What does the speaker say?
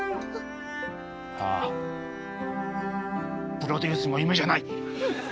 プロデュースも夢じゃない！